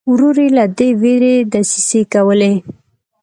ورور یې له دې وېرې دسیسې کولې.